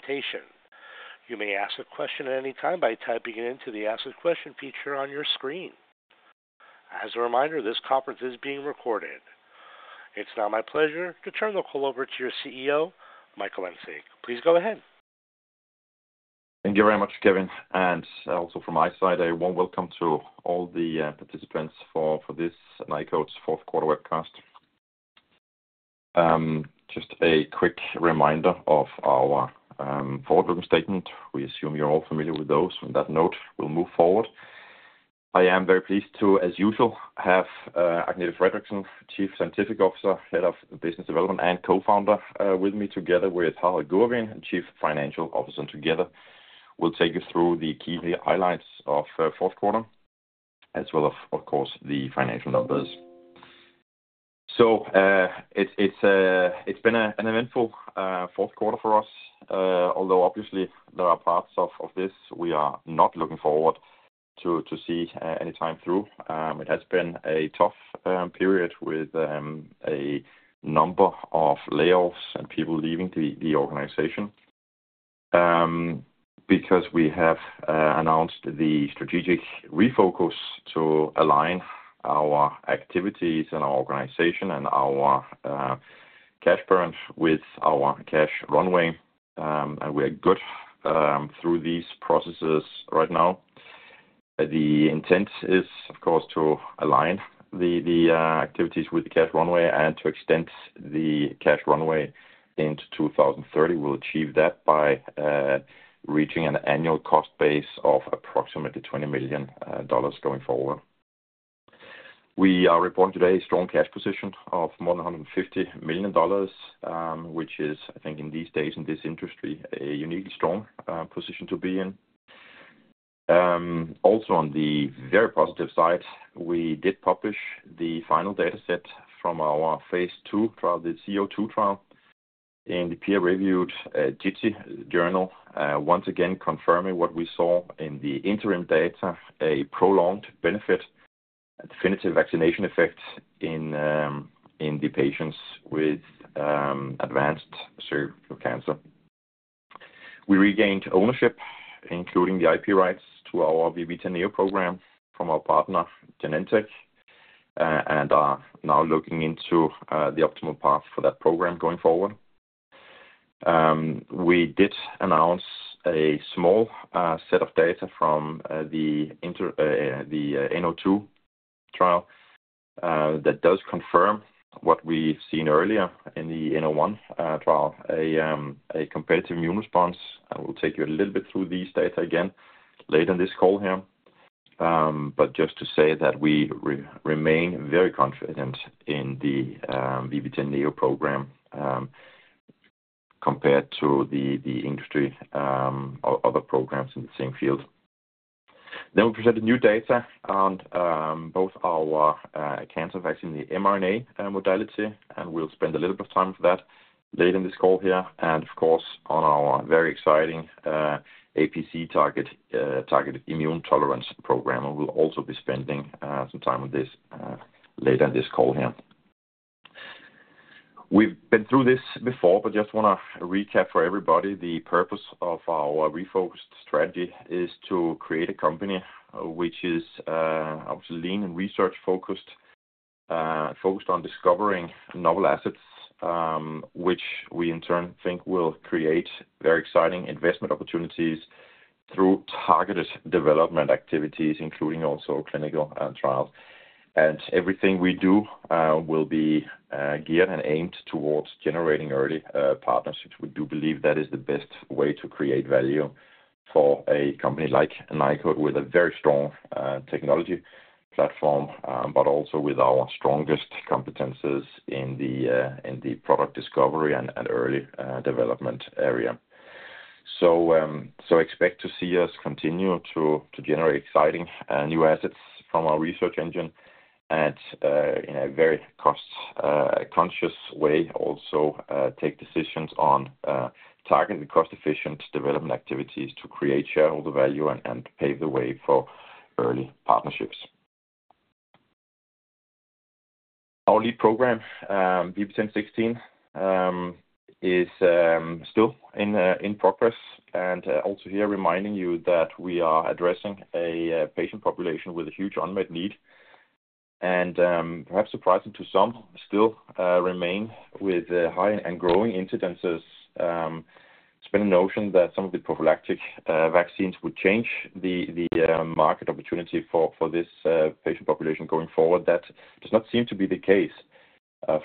Presentation. You may ask a question at any time by typing it into the Ask a Question feature on your screen. As a reminder, this conference is being recorded. It's now my pleasure to turn the call over to your CEO, Michael Engsig. Please go ahead. Thank you very much, Kevin. Also from my side, a warm welcome to all the participants for this Nykode Fourth Quarter Webcast. Just a quick reminder of our forward-looking statement. We assume you're all familiar with those. On that note, we'll move forward. I am very pleased to, as usual, have Agnete Fredriksen, Chief Scientific Officer, Head of Business Development, and co-founder with me, together with Harald Gurvin, Chief Financial Officer. Together, we'll take you through the key highlights of the fourth quarter, as well as, of course, the financial numbers. It's been an eventful fourth quarter for us, although obviously, there are parts of this we are not looking forward to see anytime through. It has been a tough period with a number of layoffs and people leaving the organization because we have announced the strategic refocus to align our activities and our organization and our cash burn with our cash runway. We are good through these processes right now. The intent is, of course, to align the activities with the cash runway and to extend the cash runway into 2030. We will achieve that by reaching an annual cost base of approximately $20 million going forward. We are reporting today a strong cash position of more than $150 million, which is, I think, in these days in this industry, a uniquely strong position to be in. Also, on the very positive side, we did publish the final data set from our phase II trial, the C-02 trial, in the peer-reviewed JITC journal, once again confirming what we saw in the interim data: a prolonged benefit, definitive vaccination effect in the patients with advanced cervical cancer. We regained ownership, including the IP rights to our VB10.NEO program from our partner, Genentech, and are now looking into the optimal path for that program going forward. We did announce a small set of data from the N-02 trial that does confirm what we've seen earlier in the N-01 trial: a competitive immune response. I will take you a little bit through these data again later in this call here, but just to say that we remain very confident in the VB10.NEO program compared to the industry or other programs in the same field. We presented new data on both our cancer vaccine, the mRNA modality, and we'll spend a little bit of time with that later in this call here. Of course, on our very exciting APC targeted immune tolerance program, we'll also be spending some time on this later in this call here. We've been through this before, but just want to recap for everybody. The purpose of our refocused strategy is to create a company which is, obviously, lean and research-focused, focused on discovering novel assets, which we in turn think will create very exciting investment opportunities through targeted development activities, including also clinical trials. Everything we do will be geared and aimed towards generating early partnerships. We do believe that is the best way to create value for a company like Nykode with a very strong technology platform, but also with our strongest competencies in the product discovery and early development area. Expect to see us continue to generate exciting new assets from our research engine and in a very cost-conscious way. Also, take decisions on targeted cost-efficient development activities to create shareholder value and pave the way for early partnerships. Our lead program, VB10.16, is still in progress. Also here, reminding you that we are addressing a patient population with a huge unmet need. Perhaps surprising to some, still remain with high and growing incidences. It has been a notion that some of the prophylactic vaccines would change the market opportunity for this patient population going forward. That does not seem to be the case,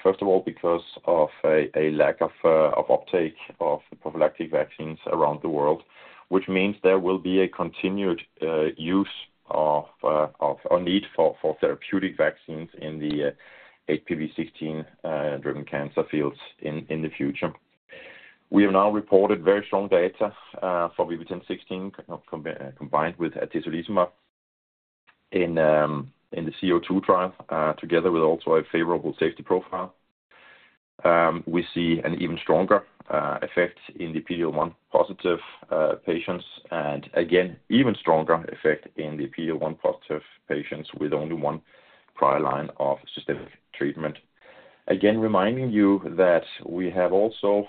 first of all, because of a lack of uptake of prophylactic vaccines around the world, which means there will be a continued use or need for therapeutic vaccines in the HPV16-driven cancer fields in the future. We have now reported very strong data for VB10.16 combined with atezolizumab in the C-02 trial, together with also a favorable safety profile. We see an even stronger effect in the PD-L1 positive patients and, again, even stronger effect in the PD-L1 positive patients with only one prior line of systemic treatment. Again, reminding you that we have also,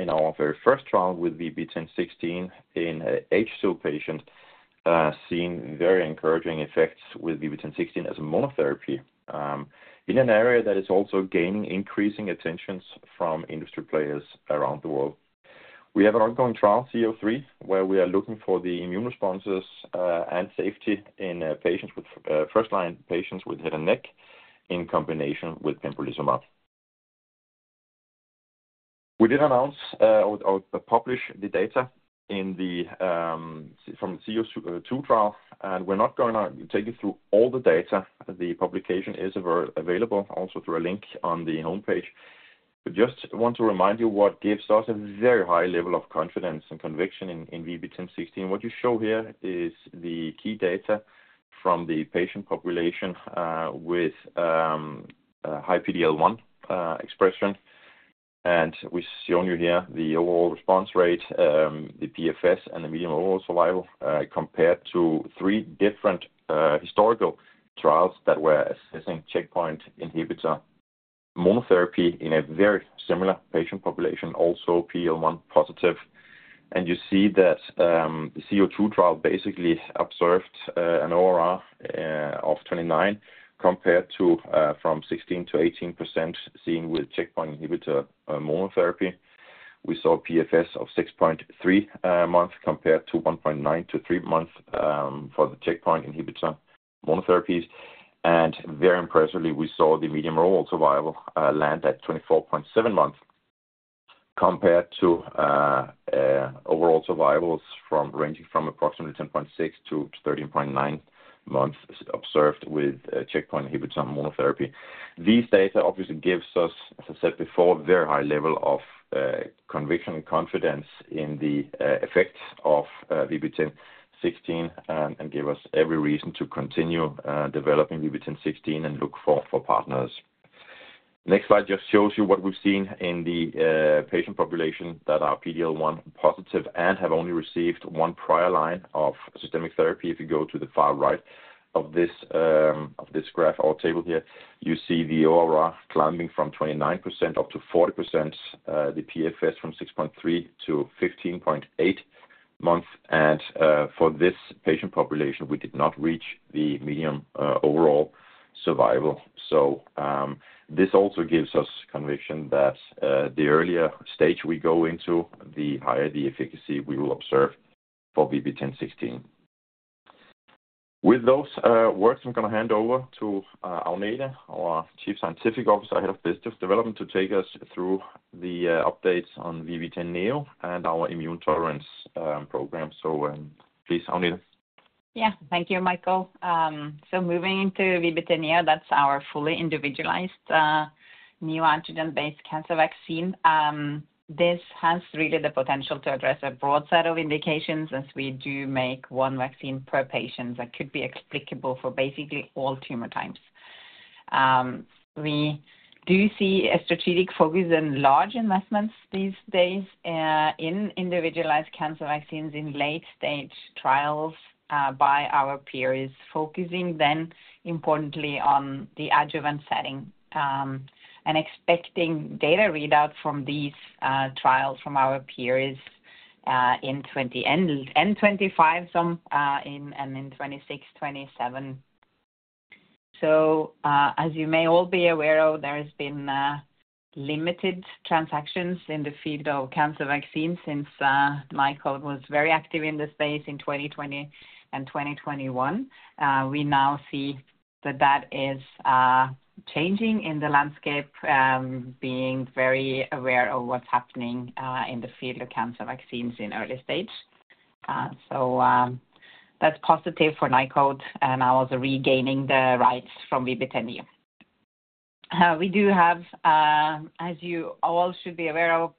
in our very first trial with VB10.16 in an HSIL patient, seen very encouraging effects with VB10.16 as a monotherapy in an area that is also gaining increasing attention from industry players around the world. We have an ongoing trial, C-03, where we are looking for the immune responses and safety in first-line patients with head and neck in combination with pembrolizumab. We did announce or publish the data from the C-02 trial. We are not going to take you through all the data. The publication is available also through a link on the homepage. I just want to remind you what gives us a very high level of confidence and conviction in VB10.16. What you show here is the key data from the patient population with high PD-L1 expression. We have shown you here the overall response rate, the PFS, and the median overall survival compared to three different historical trials that were assessing checkpoint inhibitor monotherapy in a very similar patient population, also PD-L1 positive. You see that the C-02 trial basically observed an ORR of 29% compared to 16%-18% seen with checkpoint inhibitor monotherapy. We saw a PFS of 6.3 months compared to 1.9-3 months for the checkpoint inhibitor monotherapies. Very impressively, we saw the median overall survival land at 24.7 months compared to overall survivals ranging from approximately 10.6-13.9 months observed with checkpoint inhibitor monotherapy. These data obviously give us, as I said before, a very high level of conviction and confidence in the effects of VB10.16 and give us every reason to continue developing VB10.16 and look for partners. Next slide just shows you what we've seen in the patient population that are PD-L1 positive and have only received one prior line of systemic therapy. If you go to the far right of this graph or table here, you see the ORR climbing from 29% up to 40%, the PFS from 6.3 to 15.8 months. For this patient population, we did not reach the median overall survival. This also gives us conviction that the earlier stage we go into, the higher the efficacy we will observe for VB10.16. With those words, I'm going to hand over to Agnete, our Chief Scientific Officer, Head of Business Development, to take us through the updates on VB10.NEO and our immune tolerance program. Please, Agnete. Thank you, Michael. Moving into VB10.NEO, that's our fully individualized neoantigen-based cancer vaccine. This has really the potential to address a broad set of indications as we do make one vaccine per patient that could be applicable for basically all tumor types. We do see a strategic focus and large investments these days in individualized cancer vaccines in late-stage trials by our peers, focusing then importantly on the adjuvant setting and expecting data readouts from these trials from our peers in 2025 and in 2026, 2027. As you may all be aware of, there has been limited transactions in the field of cancer vaccines since Nykode was very active in the space in 2020 and 2021. We now see that that is changing in the landscape, being very aware of what's happening in the field of cancer vaccines in early stage. That is positive for Nykode, and now also regaining the rights from VB10.NEO. We do have, as you all should be aware of,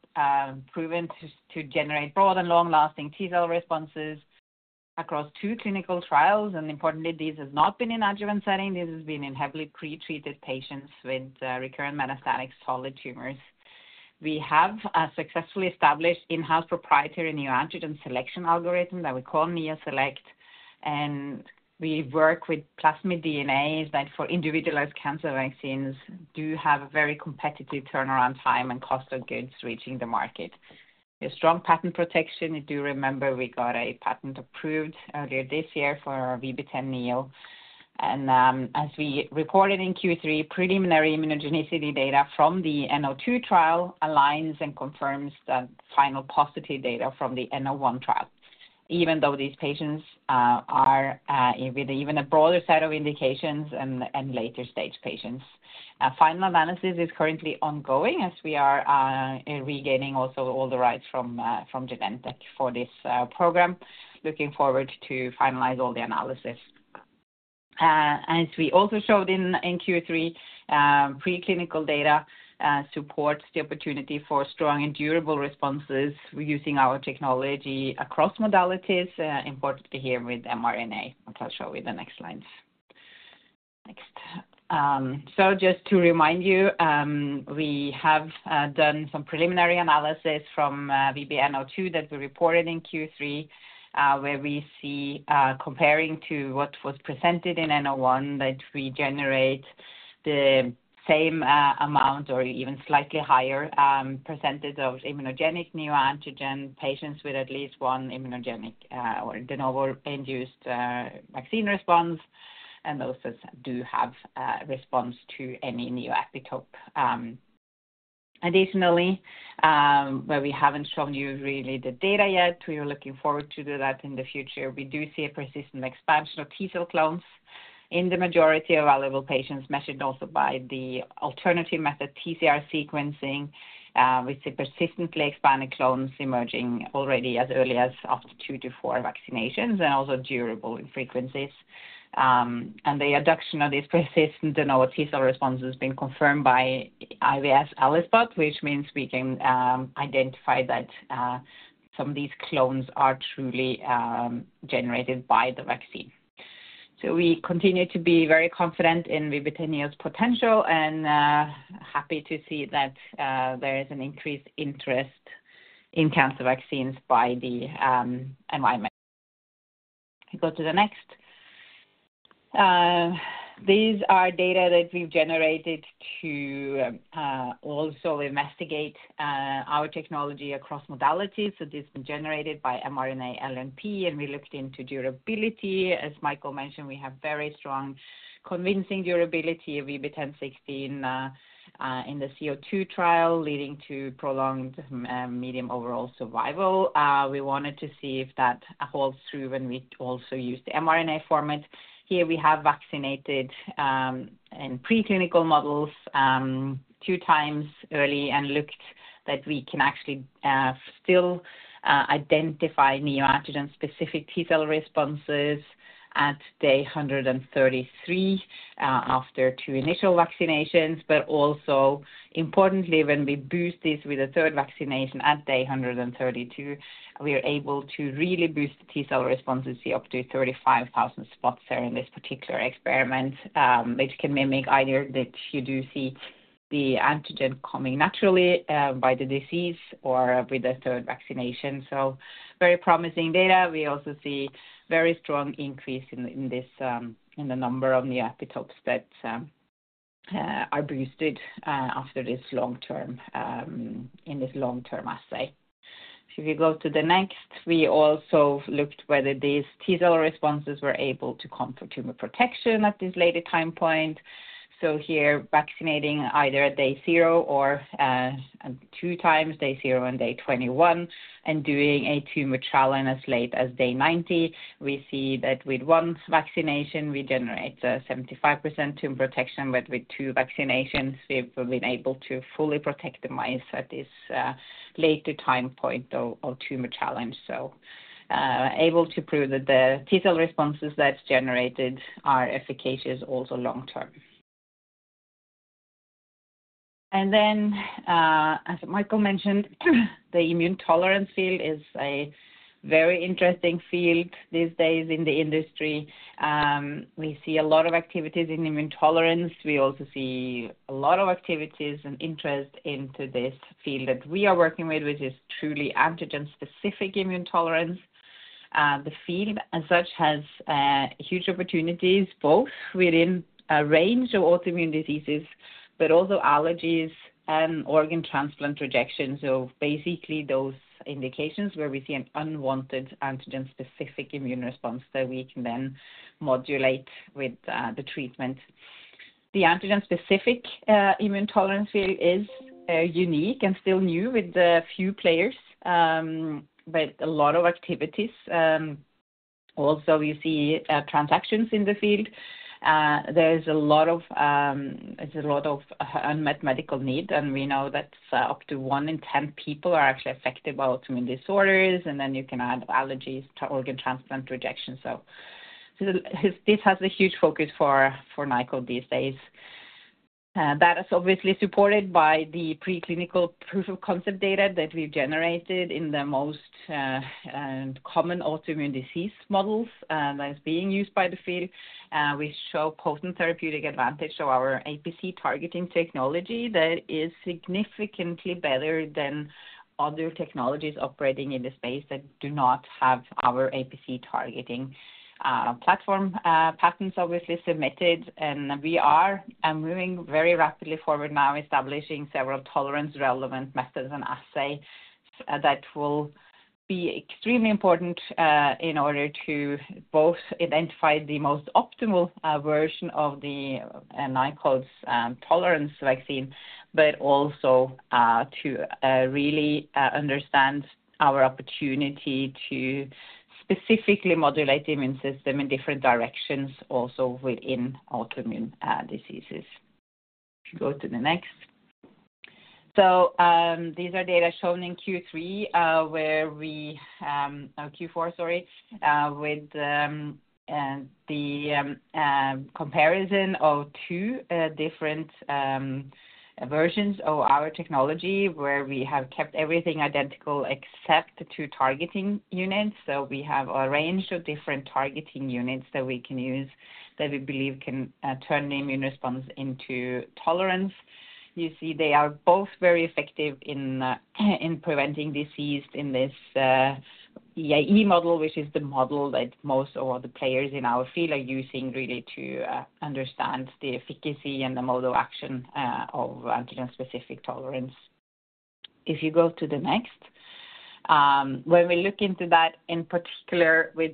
proven to generate broad and long-lasting T-cell responses across two clinical trials. Importantly, this has not been in adjuvant setting. This has been in heavily pretreated patients with recurrent metastatic solid tumors. We have successfully established in-house proprietary neoantigen selection algorithm that we call NeoSELECT. We work with plasmid DNAs that, for individualized cancer vaccines, do have a very competitive turnaround time and cost of goods reaching the market. We have strong patent protection. If you remember, we got a patent approved earlier this year for VB10.NEO. As we reported in Q3, preliminary immunogenicity data from the N-02 trial aligns and confirms the final positive data from the N-01 trial, even though these patients are with an even broader set of indications and later-stage patients. Final analysis is currently ongoing as we are regaining all the rights from Genentech for this program, looking forward to finalize all the analysis. As we also showed in Q3, preclinical data supports the opportunity for strong and durable responses using our technology across modalities, importantly here with mRNA, which I'll show you in the next slides. Next. Just to remind you, we have done some preliminary analysis from VB-N-02 that we reported in Q3, where we see, comparing to what was presented in N-01, that we generate the same amount or even slightly higher percentage of immunogenic new antigen patients with at least one immunogenic or de novo induced vaccine response. Those do have response to any new epitope. Additionally, where we have not shown you really the data yet, we are looking forward to do that in the future. We do see a persistent expansion of T-cell clones in the majority of available patients measured also by the alternative method, TCR sequencing, with the persistently expanding clones emerging already as early as after two to four vaccinations and also durable frequencies. The adoption of this persistent de novo T-cell response has been confirmed by IVS ELISpot, which means we can identify that some of these clones are truly generated by the vaccine. We continue to be very confident in VB10.NEO's potential and happy to see that there is an increased interest in cancer vaccines by the environment. Go to the next. These are data that we've generated to also investigate our technology across modalities. This has been generated by mRNA LNP, and we looked into durability. As Michael mentioned, we have very strong, convincing durability of VB10.16 in the C-02 trial, leading to prolonged median overall survival. We wanted to see if that holds through when we also use the mRNA format. Here we have vaccinated in preclinical models two times early and looked that we can actually still identify neoantigen-specific T-cell responses at day 133 after two initial vaccinations. Also, importantly, when we boost this with a third vaccination at day 132, we are able to really boost the T-cell responses to up to 35,000 spots here in this particular experiment, which can mimic either that you do see the antigen coming naturally by the disease or with a third vaccination. Very promising data. We also see very strong increase in the number of new epitopes that are boosted after this long-term in this long-term assay. If you go to the next, we also looked whether these T-cell responses were able to confer tumor protection at this later time point. Here, vaccinating either at day zero or two times, day zero and day 21, and doing a tumor challenge as late as day 90, we see that with one vaccination, we generate 75% tumor protection, but with two vaccinations, we have been able to fully protect the mice at this later time point of tumor challenge. Able to prove that the T-cell responses that are generated are efficacious also long-term. As Michael mentioned, the immune tolerance field is a very interesting field these days in the industry. We see a lot of activities in immune tolerance. We also see a lot of activities and interest into this field that we are working with, which is truly antigen-specific immune tolerance. The field, as such, has huge opportunities both within a range of autoimmune diseases, but also allergies and organ transplant rejections. Basically, those indications where we see an unwanted antigen-specific immune response that we can then modulate with the treatment. The antigen-specific immune tolerance field is unique and still new with a few players, but a lot of activities. Also, we see transactions in the field. There is a lot of unmet medical need, and we know that up to one in 10 people are actually affected by autoimmune disorders. You can add allergies to organ transplant rejection. This has a huge focus for Nykode these days. That is obviously supported by the preclinical proof of concept data that we've generated in the most common autoimmune disease models that are being used by the field. We show potent therapeutic advantage of our APC targeting technology that is significantly better than other technologies operating in the space that do not have our APC targeting platform patents obviously submitted. We are moving very rapidly forward now, establishing several tolerance-relevant methods and assays that will be extremely important in order to both identify the most optimal version of Nykode's tolerance vaccine, but also to really understand our opportunity to specifically modulate the immune system in different directions also within autoimmune diseases. Go to the next. These are data shown in Q3 where we Q4, sorry, with the comparison of two different versions of our technology where we have kept everything identical except the two targeting units. We have a range of different targeting units that we can use that we believe can turn the immune response into tolerance. You see they are both very effective in preventing disease in this EAE model, which is the model that most of the players in our field are using really to understand the efficacy and the mode of action of antigen-specific tolerance. If you go to the next, when we look into that in particular with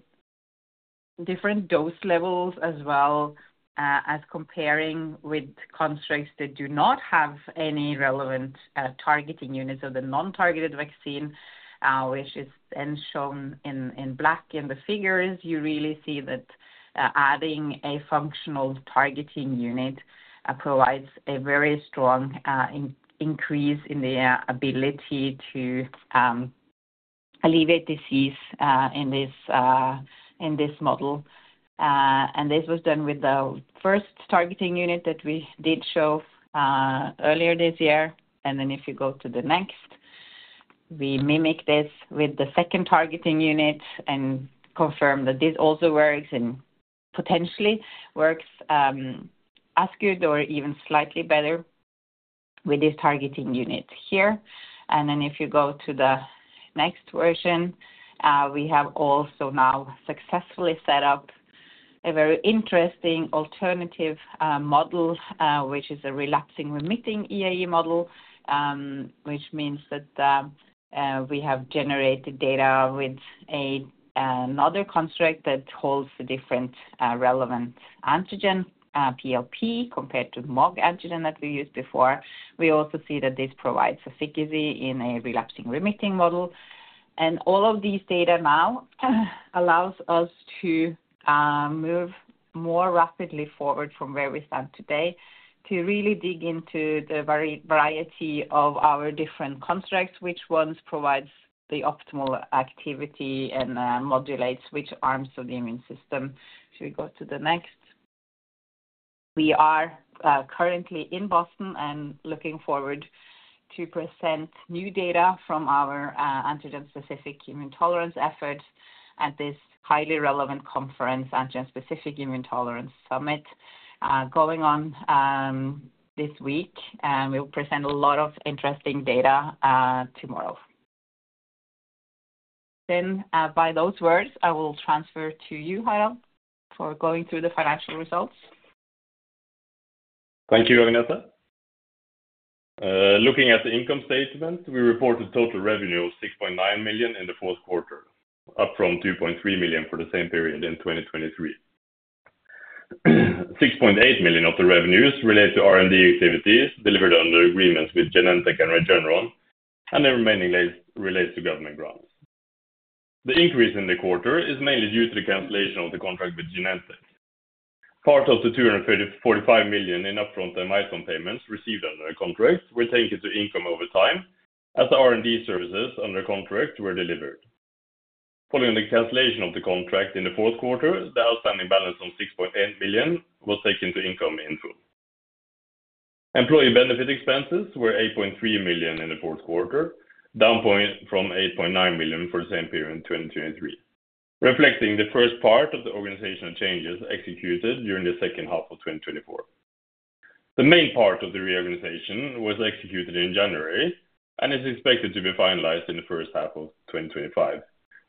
different dose levels as well as comparing with constructs that do not have any relevant targeting units of the non-targeted vaccine, which is then shown in black in the figures, you really see that adding a functional targeting unit provides a very strong increase in the ability to alleviate disease in this model. This was done with the first targeting unit that we did show earlier this year. If you go to the next, we mimic this with the second targeting unit and confirm that this also works and potentially works as good or even slightly better with this targeting unit here. If you go to the next version, we have also now successfully set up a very interesting alternative model, which is a relapsing-remitting EAE model, which means that we have generated data with another construct that holds the different relevant antigen PLP compared to MOG antigen that we used before. We also see that this provides efficacy in a relapsing-remitting model. All of these data now allows us to move more rapidly forward from where we stand today to really dig into the variety of our different constructs, which ones provide the optimal activity and modulate which arms of the immune system. If you go to the next, we are currently in Boston and looking forward to present new data from our antigen-specific immune tolerance efforts at this highly relevant conference, Antigen-Specific Immune Tolerance Summit, going on this week. We will present a lot of interesting data tomorrow. By those words, I will transfer to you, Harald, for going through the financial results. Thank you, Agnete. Looking at the income statement, we reported total revenue of $6.9 million in the fourth quarter, up from $2.3 million for the same period in 2023. $6.8 million of the revenues relate to R&D activities delivered under agreements with Genentech and Regeneron, and the remaining relates to government grants. The increase in the quarter is mainly due to the cancellation of the contract with Genentech. Part of the $245 million in upfront and milestone payments received under the contract were taken to income over time as the R&D services under contract were delivered. Following the cancellation of the contract in the fourth quarter, the outstanding balance of $6.8 million was taken to income in full. Employee benefit expenses were $8.3 million in the fourth quarter, down from $8.9 million for the same period in 2023, reflecting the first part of the organizational changes executed during the second half of 2024. The main part of the reorganization was executed in January and is expected to be finalized in the first half of 2025,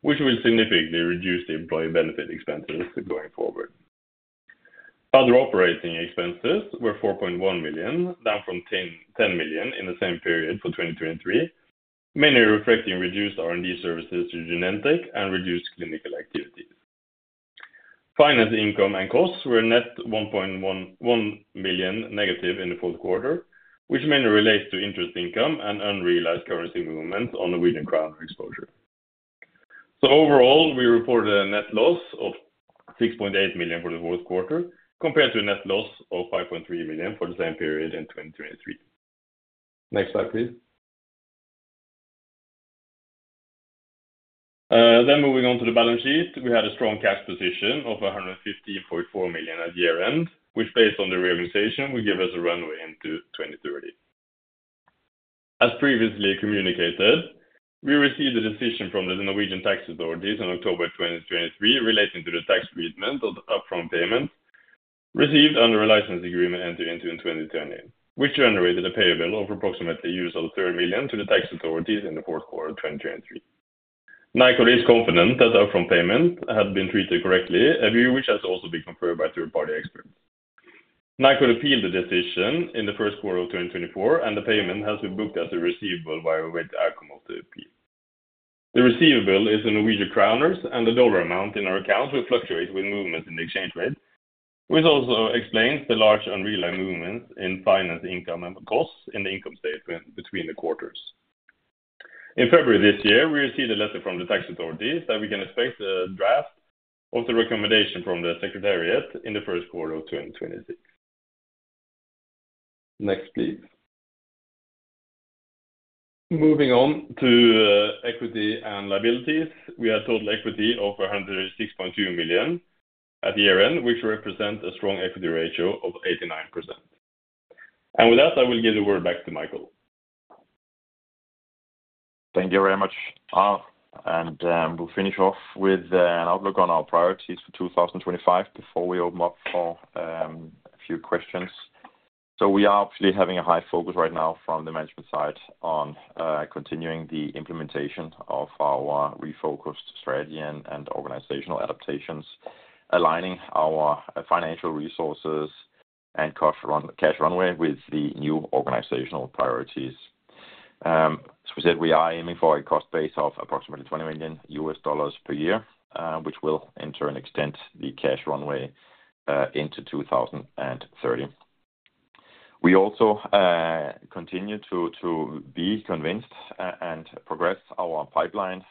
which will significantly reduce the employee benefit expenses going forward. Other operating expenses were $4.1 million, down from $10 million in the same period for 2023, mainly reflecting reduced R&D services to Genentech and reduced clinical activities. Finance, income, and costs were net $1.1 million negative in the fourth quarter, which mainly relates to interest income and unrealized currency movements on the weakening Krone exposure. Overall, we reported a net loss of $6.8 million for the fourth quarter compared to a net loss of $5.3 million for the same period in 2023. Next slide, please. Moving on to the balance sheet, we had a strong cash position of $115.4 million at year-end, which, based on the reorganization, will give us a runway into 2030. As previously communicated, we received a decision from the Norwegian Tax Authorities in October 2023 relating to the tax treatment of the upfront payments received under a license agreement entered into in 2020, which generated a payable of approximately $30 million to the tax authorities in the fourth quarter of 2023. Nykode is confident that the upfront payment had been treated correctly, a view which has also been confirmed by third-party experts. Nykode appealed the decision in the first quarter of 2024, and the payment has been booked as a receivable via awaiting outcome of the appeal. The receivable is in NOK, and the dollar amount in our accounts will fluctuate with movements in the exchange rate, which also explains the large unrealized movements in finance, income, and costs in the income statement between the quarters. In February this year, we received a letter from the tax authorities that we can expect a draft of the recommendation from the secretariat in the first quarter of 2026. Next, please. Moving on to equity and liabilities, we had total equity of $106.2 million at year-end, which represents a strong equity ratio of 89%. With that, I will give the word back to Michael. Thank you very much, Harald. We will finish off with an outlook on our priorities for 2025 before we open up for a few questions. We are obviously having a high focus right now from the management side on continuing the implementation of our refocused strategy and organizational adaptations, aligning our financial resources and cash runway with the new organizational priorities. As we said, we are aiming for a cost base of approximately $20 million per year, which will, in turn, extend the cash runway into 2030. We also continue to be convinced and progress our pipeline.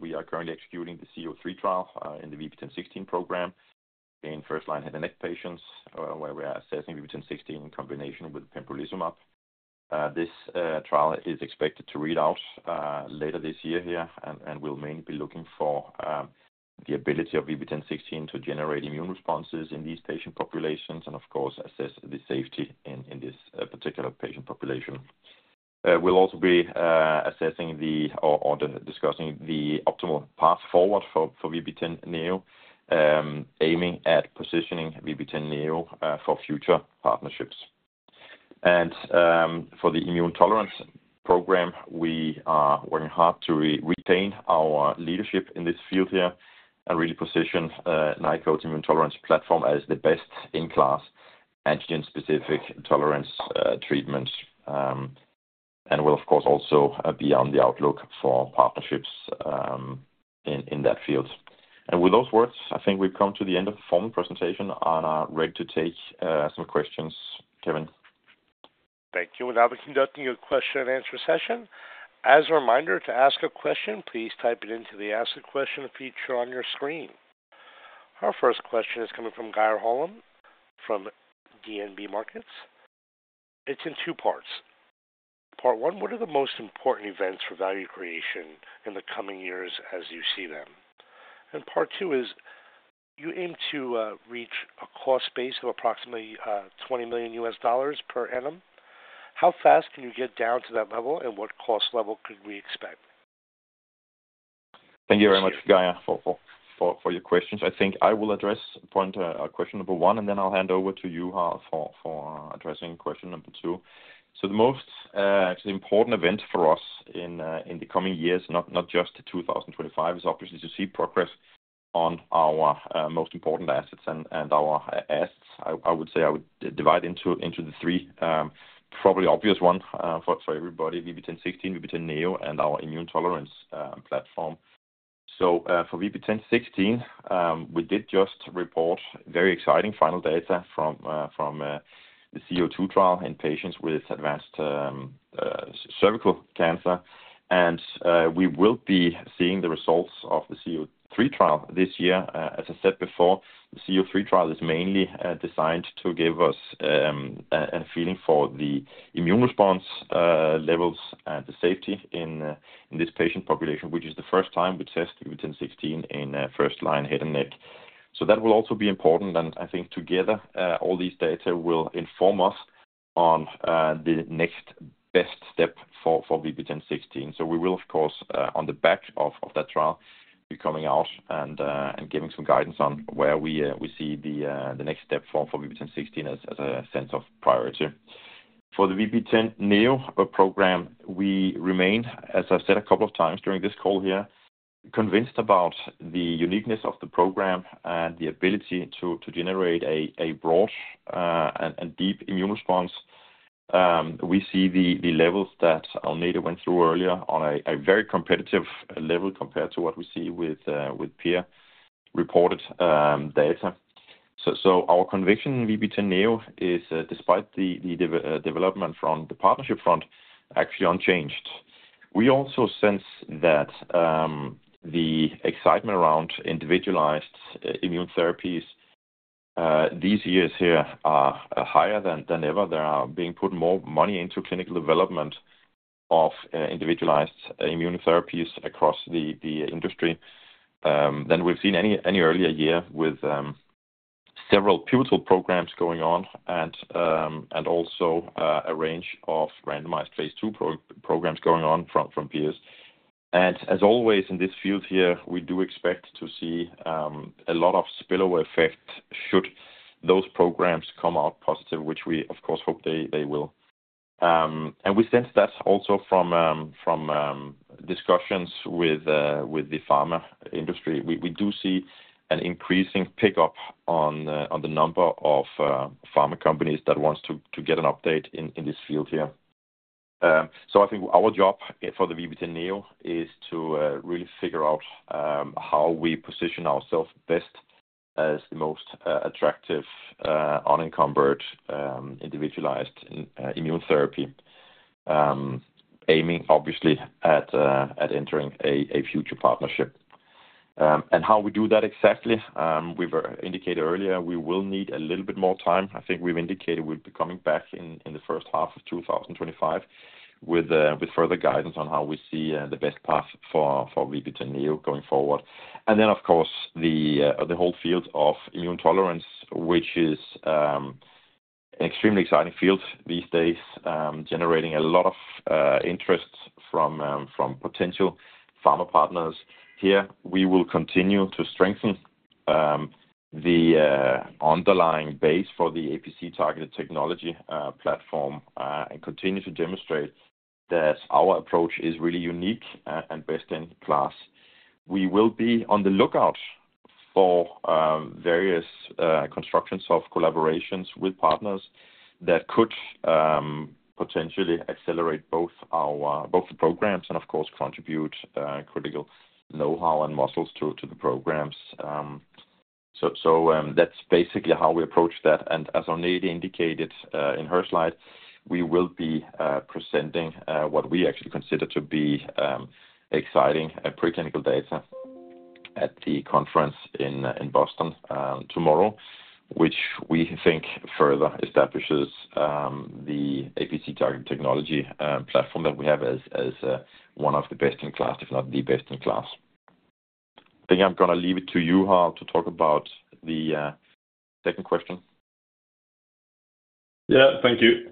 We are currently executing the C-03 trial in the VB10.16 program in first-line head and neck patients, where we are assessing VB10.16 in combination with pembrolizumab. This trial is expected to read out later this year here, and we'll mainly be looking for the ability of VB10.16 to generate immune responses in these patient populations and, of course, assess the safety in this particular patient population. We'll also be assessing or discussing the optimal path forward for VB10.NEO, aiming at positioning VB10.NEO for future partnerships. For the immune tolerance program, we are working hard to retain our leadership in this field here and really position Nykode's immune tolerance platform as the best-in-class antigen-specific tolerance treatment. We'll, of course, also be on the outlook for partnerships in that field. With those words, I think we've come to the end of the formal presentation, and I'm ready to take some questions, Kevin. Thank you. I'll be conducting a question-and-answer session. As a reminder, to ask a question, please type it into the Ask a Question feature on your screen. Our first question is coming from Geir Holom from DNB Markets. It is in two parts. Part one, what are the most important events for value creation in the coming years as you see them? Part two is, you aim to reach a cost base of approximately $20 million per annum. How fast can you get down to that level, and what cost level could we expect? Thank you very much, Geir, for your questions. I think I will address question number one, and then I'll hand over to you for addressing question number two. The most important event for us in the coming years, not just 2025, is obviously to see progress on our most important assets and our assets. I would say I would divide into the three probably obvious ones for everybody: VB10.16, VB10.NEO, and our immune tolerance platform. For VB10.16, we did just report very exciting final data from the C-02 trial in patients with advanced cervical cancer. We will be seeing the results of the C-03 trial this year. As I said before, the C-03 trial is mainly designed to give us a feeling for the immune response levels and the safety in this patient population, which is the first time we test VB10.16 in first-line head and neck. That will also be important. I think together, all these data will inform us on the next best step for VB10.16. We will, of course, on the back of that trial, be coming out and giving some guidance on where we see the next step for VB10.16 as a sense of priority. For the VB10.NEO program, we remain, as I've said a couple of times during this call here, convinced about the uniqueness of the program and the ability to generate a broad and deep immune response. We see the levels that Agnete went through earlier on a very competitive level compared to what we see with peer-reported data. Our conviction in VB10.NEO is, despite the development from the partnership front, actually unchanged. We also sense that the excitement around individualized immune therapies these years here are higher than ever. There are being put more money into clinical development of individualized immune therapies across the industry than we've seen any earlier year with several pivotal programs going on and also a range of randomized phase two programs going on from peers. As always in this field here, we do expect to see a lot of spillover effect should those programs come out positive, which we, of course, hope they will. We sense that also from discussions with the pharma industry. We do see an increasing pickup on the number of pharma companies that want to get an update in this field here. I think our job for the VB10.NEO is to really figure out how we position ourselves best as the most attractive, unencumbered, individualized immune therapy, aiming, obviously, at entering a future partnership. How we do that exactly, we were indicated earlier, we will need a little bit more time. I think we've indicated we'll be coming back in the first half of 2025 with further guidance on how we see the best path for VB10.NEO going forward. The whole field of immune tolerance, which is an extremely exciting field these days, is generating a lot of interest from potential pharma partners. Here, we will continue to strengthen the underlying base for the APC targeted technology platform and continue to demonstrate that our approach is really unique and best in class. We will be on the lookout for various constructions of collaborations with partners that could potentially accelerate both the programs and, of course, contribute critical know-how and muscles to the programs. That is basically how we approach that. As Agnete indicated in her slide, we will be presenting what we actually consider to be exciting preclinical data at the conference in Boston tomorrow, which we think further establishes the APC targeted technology platform that we have as one of the best in class, if not the best in class. I think I'm going to leave it to you, Harald, to talk about the second question. Yeah, thank you.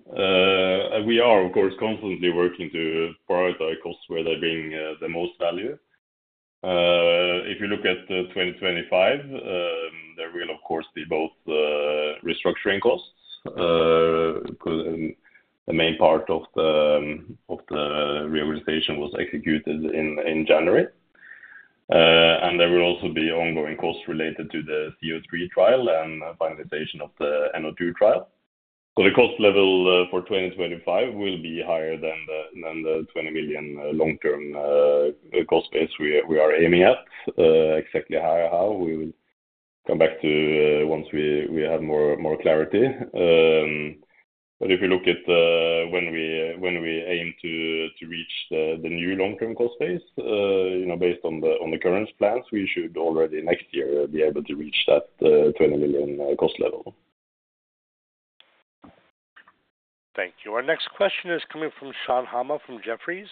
We are, of course, constantly working to prioritize costs where they bring the most value. If you look at 2025, there will, of course, be both restructuring costs. The main part of the reorganization was executed in January. There will also be ongoing costs related to the C-03 trial and finalization of the N-02 trial. The cost level for 2025 will be higher than the $20 million long-term cost base we are aiming at. Exactly how, we will come back to once we have more clarity. If you look at when we aim to reach the new long-term cost base, based on the current plans, we should already next year be able to reach that $20 million cost level. Thank you. Our next question is coming from Sean Hammer from Jefferies.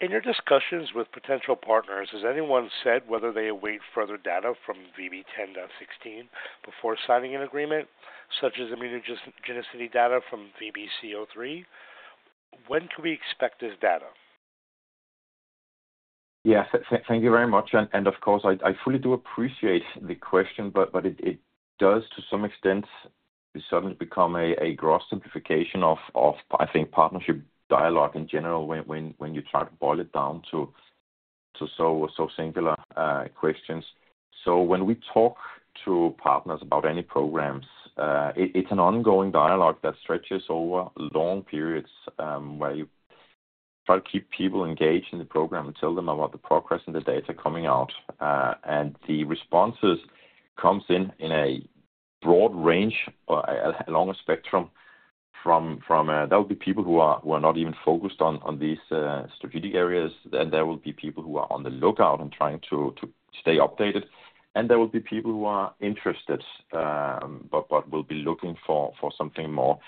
In your discussions with potential partners, has anyone said whether they await further data from VB10.16 before signing an agreement, such as immunogenicity data from VB-C-03? When can we expect this data? Yes, thank you very much. Of course, I fully do appreciate the question, but it does, to some extent, suddenly become a gross simplification of, I think, partnership dialogue in general when you try to boil it down to so singular questions. When we talk to partners about any programs, it is an ongoing dialogue that stretches over long periods where you try to keep people engaged in the program and tell them about the progress and the data coming out. The responses come in a broad range, along a spectrum from there will be people who are not even focused on these strategic areas, and there will be people who are on the lookout and trying to stay updated. There will be people who are interested but will be looking for something more.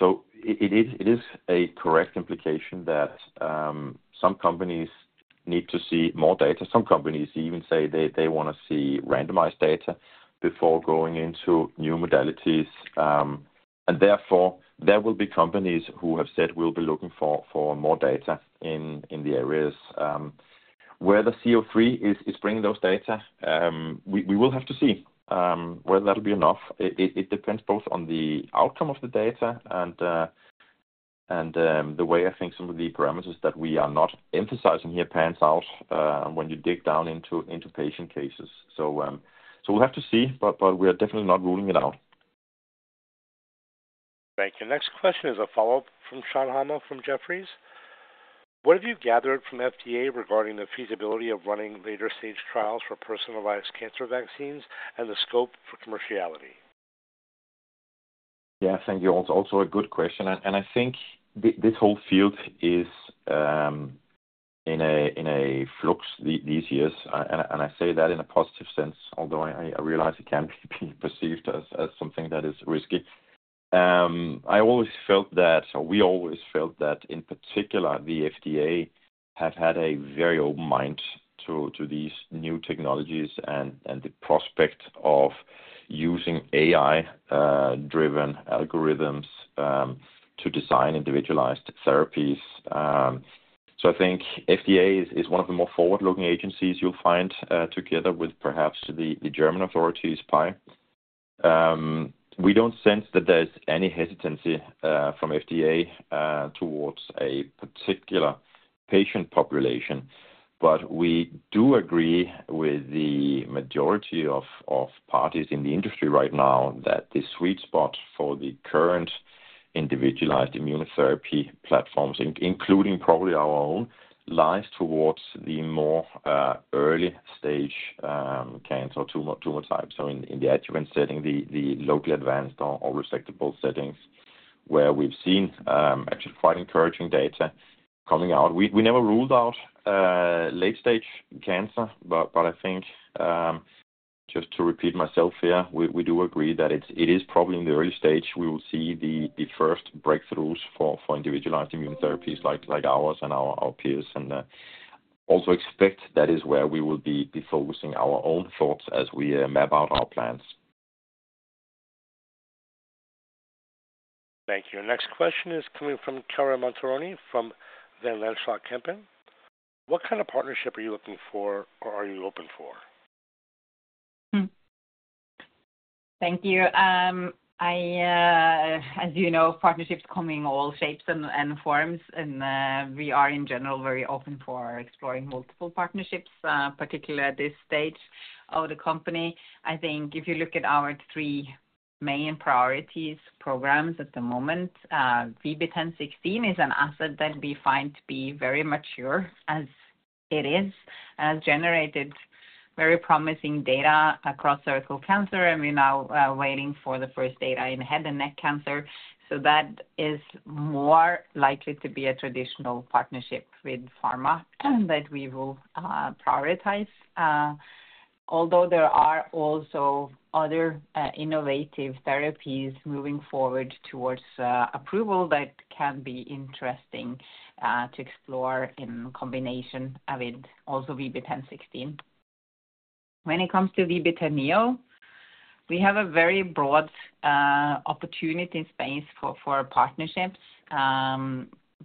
It is a correct implication that some companies need to see more data. Some companies even say they want to see randomized data before going into new modalities. Therefore, there will be companies who have said, "We'll be looking for more data in the areas where the C-03 is bringing those data." We will have to see whether that will be enough. It depends both on the outcome of the data and the way I think some of the parameters that we are not emphasizing here pans out when you dig down into patient cases. We will have to see, but we are definitely not ruling it out. Thank you. Next question is a follow-up from Sean Hammer from Jefferies. What have you gathered from FDA regarding the feasibility of running later-stage trials for personalized cancer vaccines and the scope for commerciality? Yeah, thank you. Also a good question. I think this whole field is in a flux these years. I say that in a positive sense, although I realize it can be perceived as something that is risky. I always felt that, or we always felt that, in particular, the FDA has had a very open mind to these new technologies and the prospect of using AI-driven algorithms to design individualized therapies. I think FDA is one of the more forward-looking agencies you'll find together with perhaps the German authorities, PEI. We don't sense that there's any hesitancy from FDA towards a particular patient population, but we do agree with the majority of parties in the industry right now that the sweet spot for the current individualized immunotherapy platforms, including probably our own, lies towards the more early-stage cancer tumor types. In the adjuvant setting, the locally advanced or resectable settings, where we've seen actually quite encouraging data coming out. We never ruled out late-stage cancer, but I think, just to repeat myself here, we do agree that it is probably in the early stage we will see the first breakthroughs for individualized immunotherapies like ours and our peers. I also expect that is where we will be focusing our own thoughts as we map out our plans. Thank you. Next question is coming from Chiara Montironi from Van Lanschot Kempen. What kind of partnership are you looking for, or are you open for? Thank you. As you know, partnerships come in all shapes and forms, and we are, in general, very open for exploring multiple partnerships, particularly at this stage of the company. I think if you look at our three main priorities programs at the moment, VB10.16 is an asset that we find to be very mature as it is, has generated very promising data across cervical cancer, and we're now waiting for the first data in head and neck cancer. That is more likely to be a traditional partnership with pharma that we will prioritize. Although there are also other innovative therapies moving forward towards approval that can be interesting to explore in combination with also VB10.16. When it comes to VB10.NEO, we have a very broad opportunity space for partnerships.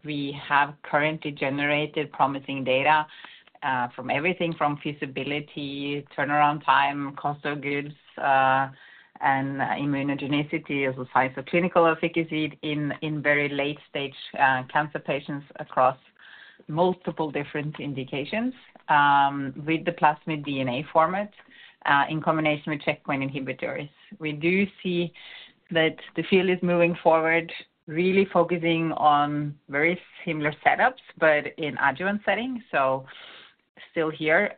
We have currently generated promising data from everything from feasibility, turnaround time, cost of goods, and immunogenicity, as well as clinical efficacy in very late-stage cancer patients across multiple different indications with the plasmid DNA format in combination with checkpoint inhibitors. We do see that the field is moving forward, really focusing on very similar setups, but in adjuvant setting. Still here,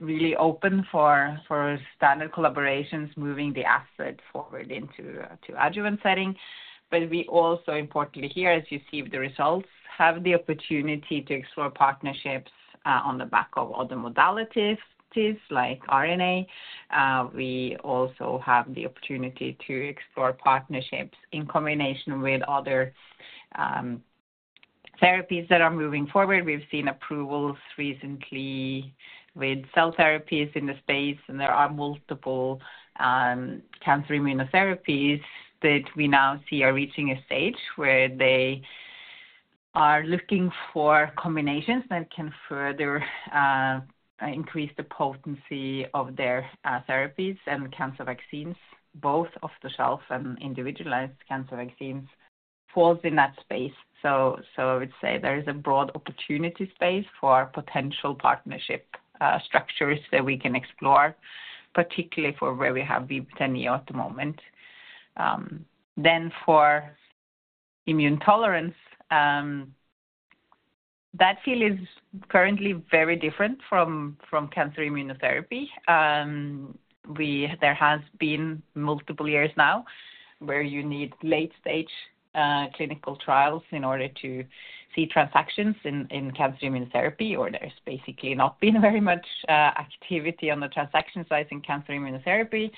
really open for standard collaborations, moving the asset forward into adjuvant setting. We also, importantly here, as you see the results, have the opportunity to explore partnerships on the back of other modalities like RNA. We also have the opportunity to explore partnerships in combination with other therapies that are moving forward. We've seen approvals recently with cell therapies in the space, and there are multiple cancer immunotherapies that we now see are reaching a stage where they are looking for combinations that can further increase the potency of their therapies and cancer vaccines, both off-the-shelf and individualized cancer vaccines. Falls in that space. I would say there is a broad opportunity space for potential partnership structures that we can explore, particularly for where we have VB10.NEO at the moment. For immune tolerance, that field is currently very different from cancer immunotherapy. There have been multiple years now where you need late-stage clinical trials in order to see transactions in cancer immunotherapy, or there has basically not been very much activity on the transaction size in cancer immunotherapy.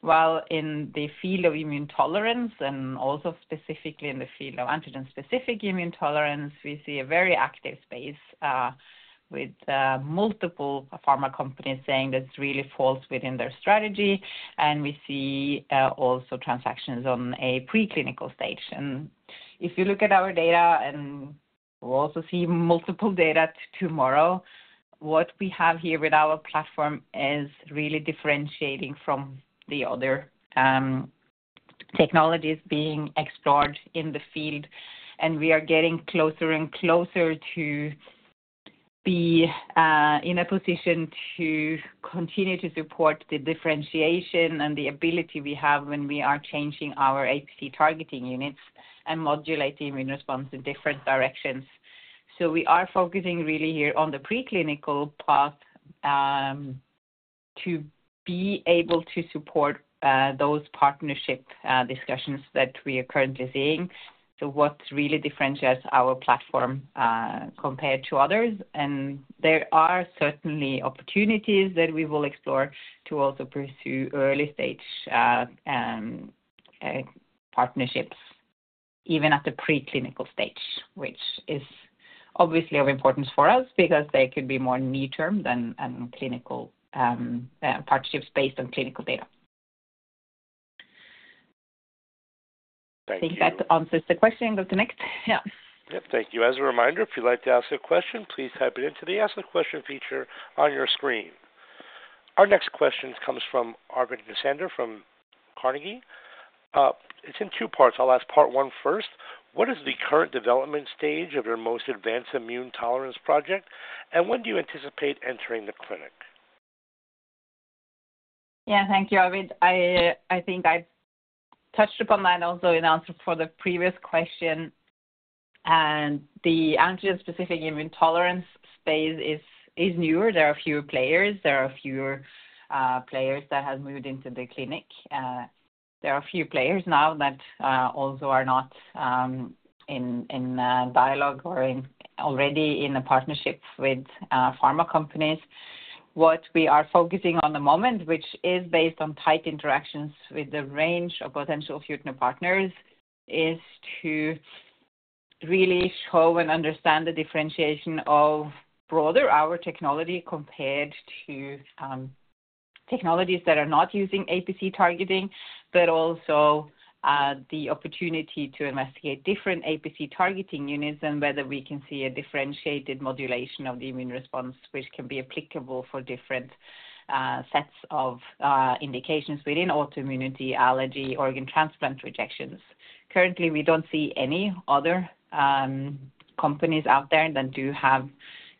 While in the field of immune tolerance, and also specifically in the field of antigen-specific immune tolerance, we see a very active space with multiple pharma companies saying that it really falls within their strategy. We see also transactions on a preclinical stage. If you look at our data, and we'll also see multiple data tomorrow, what we have here with our platform is really differentiating from the other technologies being explored in the field. We are getting closer and closer to be in a position to continue to support the differentiation and the ability we have when we are changing our APC targeting units and modulating immune response in different directions. We are focusing really here on the preclinical path to be able to support those partnership discussions that we are currently seeing. What really differentiates our platform compared to others? There are certainly opportunities that we will explore to also pursue early-stage partnerships, even at the preclinical stage, which is obviously of importance for us because they could be more near-term than clinical partnerships based on clinical data. I think that answers the question. You can go to the next. Yeah. Yep. Thank you. As a reminder, if you'd like to ask a question, please type it into the Ask the Question feature on your screen. Our next question comes from Arvid Necander from Carnegie. It's in two parts. I'll ask part one first. What is the current development stage of your most advanced immune tolerance project, and when do you anticipate entering the clinic? Yeah, thank you, Arvid. I think I've touched upon that also in answer for the previous question. The antigen-specific immune tolerance space is newer. There are fewer players. There are fewer players that have moved into the clinic. There are few players now that also are not in dialogue or already in a partnership with pharma companies. What we are focusing on at the moment, which is based on tight interactions with the range of potential future partners, is to really show and understand the differentiation of broader our technology compared to technologies that are not using APC targeting, but also the opportunity to investigate different APC targeting units and whether we can see a differentiated modulation of the immune response, which can be applicable for different sets of indications within autoimmunity, allergy, organ transplant rejections. Currently, we do not see any other companies out there that do have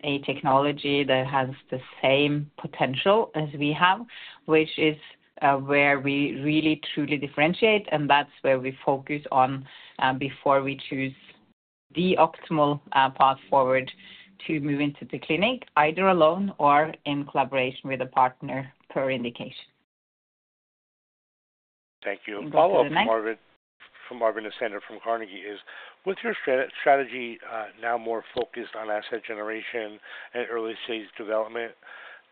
a technology that has the same potential as we have, which is where we really, truly differentiate, and that is where we focus on before we choose the optimal path forward to move into the clinic, either alone or in collaboration with a partner per indication. Thank you. A follow-up from Arvid Necander from Carnegie is, with your strategy now more focused on asset generation and early-stage development,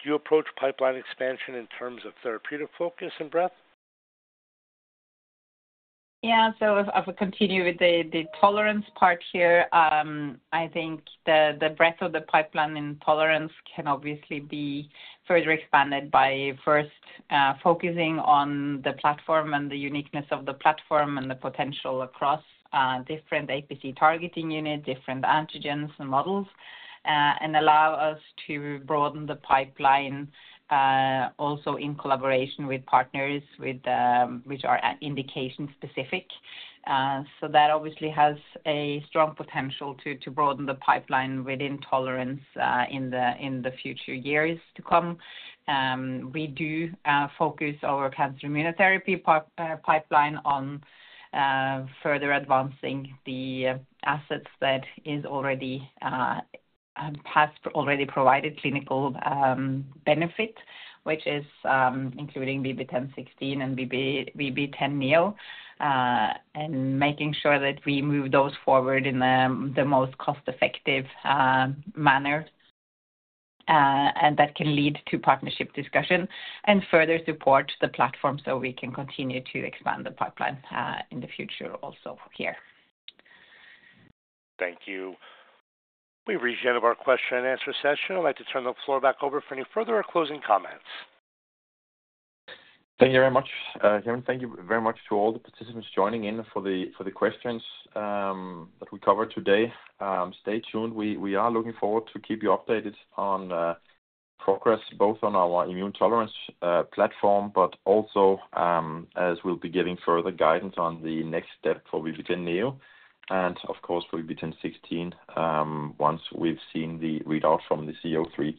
do you approach pipeline expansion in terms of therapeutic focus and breadth? Yeah. If I continue with the tolerance part here, I think the breadth of the pipeline in tolerance can obviously be further expanded by first focusing on the platform and the uniqueness of the platform and the potential across different APC targeting units, different antigens and models, and allow us to broaden the pipeline also in collaboration with partners which are indication-specific. That obviously has a strong potential to broaden the pipeline within tolerance in the future years to come. We do focus our cancer immunotherapy pipeline on further advancing the assets that have already provided clinical benefit, which is including VB10.16 and VB10.NEO and making sure that we move those forward in the most cost-effective manner. That can lead to partnership discussion and further support the platform so we can continue to expand the pipeline in the future also here. Thank you. We have reached the end of our question and answer session. I would like to turn the floor back over for any further or closing comments. Thank you very much, Kevin. Thank you very much to all the participants joining in for the questions that we covered today. Stay tuned. We are looking forward to keep you updated on progress, both on our immune tolerance platform, but also as we'll be giving further guidance on the next step for VB10.NEO and, of course, for VB10.16 once we've seen the readout from the C-03.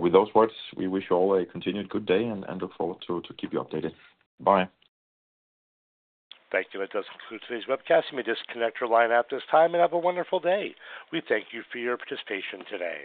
With those words, we wish you all a continued good day and look forward to keep you updated. Bye. Thank you. That does conclude today's webcast. You may disconnect your line at this time and have a wonderful day. We thank you for your participation today.